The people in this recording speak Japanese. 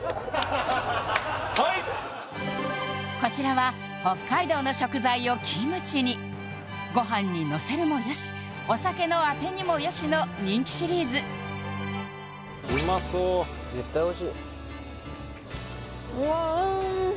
はいこちらは北海道の食材をキムチにご飯にのせるもよしお酒のアテにもよしの人気シリーズうまそう絶対おいしいようわ